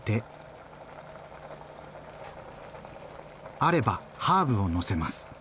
あればハーブをのせます。